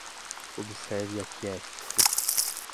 Observe e aquiete-se